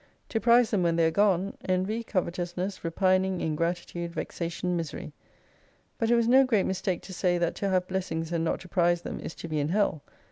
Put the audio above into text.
To prize them when they are gone, envy, covetousness, repining, in gratitude, vexation, misery. But it was no great mis take to say, that to have blessings and not to prize them is to be in Hell.